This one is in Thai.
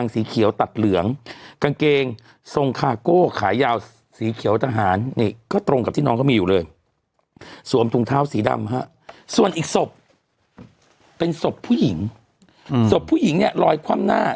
สวมถุงเท้าสีดำฮะส่วนอีกศพเป็นศพผู้หญิงศพผู้หญิงเนี้ยลอยความหน้า